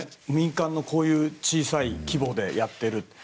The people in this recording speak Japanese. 民間のこういう小さい規模でやっている。